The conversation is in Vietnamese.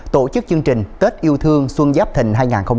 tổ chức chương trình tết yêu thương xuân giáp thình hai nghìn hai mươi bốn